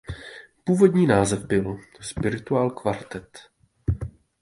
Původní název byl „Spirituál kvartet“.